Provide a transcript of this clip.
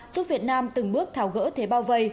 giúp việt nam từng bước tháo gỡ thế bao vây